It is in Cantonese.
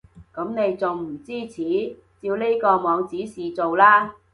噉你仲唔支持？照呢個網指示做啦